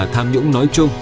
tham nhũng nói chung